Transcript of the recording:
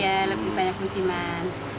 iya lebih banyak musiman